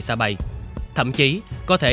xa bay thậm chí có thể